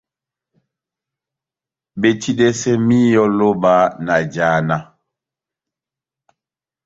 Betidɛsɛ míyɔ ó lóba na jána.